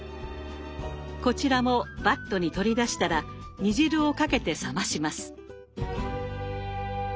こちらもバットに取り出したら煮汁をかけて冷まします。